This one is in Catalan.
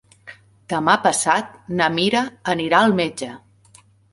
Demà passat na Mira anirà al metge.